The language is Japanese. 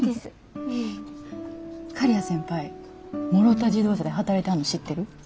刈谷先輩諸田自動車で働いてはんの知ってる？